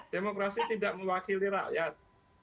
demokrasi tidak mewakili rakyat